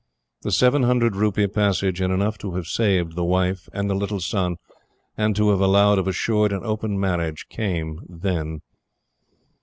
The seven hundred rupee passage, and enough to have saved the wife, and the little son, and to have allowed of assured and open marriage, came then.